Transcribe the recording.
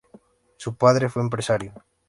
Su padre fue empresario.